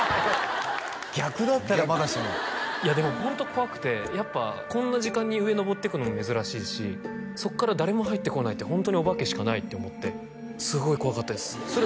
逆だったらまだしもいやでもホント怖くてやっぱこんな時間に上昇っていくのも珍しいしそっから誰も入ってこないってホントにお化けしかないって思ってすごい怖かったですそれ